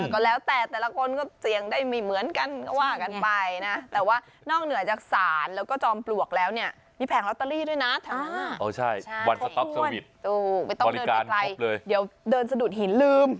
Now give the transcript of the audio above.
อ๋อเขามีเซียมซีเกือบแล้วแต่แต่ละคนก็เสี่ยงไม่เหมือนกัน